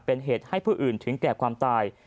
เป็นเหตุให้ผู้อื่นถึงแก่ความตาย